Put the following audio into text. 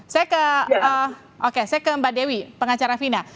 saya ke oke saya ke mbak dewi pengacara fina